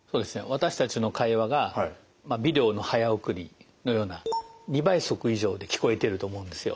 私たちの会話がビデオの早送りのような２倍速以上で聞こえてると思うんですよ。